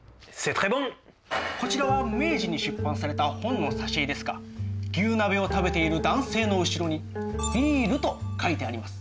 こちらは明治に出版された本の挿絵ですが牛鍋を食べている男性の後ろに「ビイル」と書いてあります。